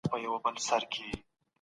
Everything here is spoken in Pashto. روڼ اندي کسان ټولني ته لارښوونه کوي.